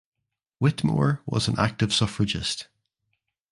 Whittemore was an active suffragist.